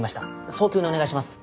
早急にお願いします。